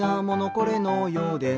これのようです」